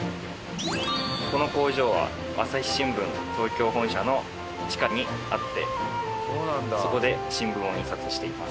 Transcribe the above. この工場は朝日新聞東京本社の地下にあってそこで新聞を印刷しています。